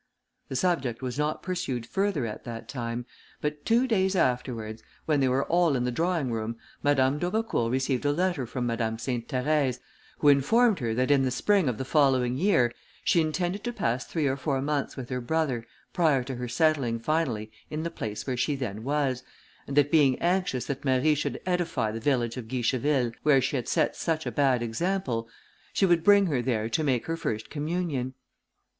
The subject was not pursued further at that time, but two days afterwards, when they were all in the drawing room, Madame d'Aubecourt received a letter from Madame Sainte Therèse, who informed her that in the spring of the following year, she intended to pass three or four months with her brother, prior to her settling finally in the place where she then was, and that being anxious that Marie should edify the village of Guicheville, where she had set such a bad example, she would bring her there to make her first communion.